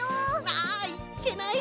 ああいっけない！